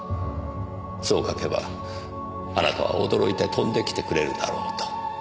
そう書けばあなたは驚いて飛んできてくれるだろうと。